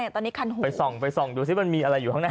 ไปส่องดูสิมันมีอะไรอยู่ข้างใน